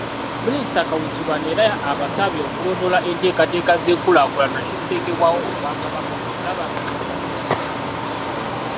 Minisita Kawuki bano era abasabye okulondoola enteekateeka z'enkulaakulana eziteekebwawo Obwakabaka okulaba nga nabo baziganyulwamu.